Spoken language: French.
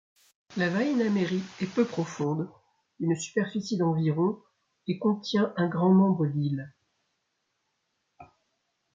La Väinämeri est peu profonde, d'une superficie d'environ et contient un grand nombre d'îles.